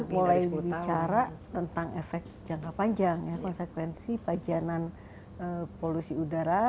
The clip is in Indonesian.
mulai bicara tentang efek jangka panjang konsekuensi pajanan polusi udara